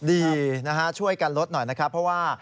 ดีนะฮะช่วยกันลดหน่อยนะครับเพราะว่า